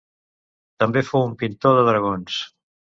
També fou un pintor de dragons.